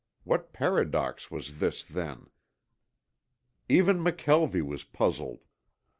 What paradox was this, then? Even McKelvie was puzzled.